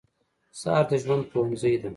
سهار د ژوند پوهنځی دی.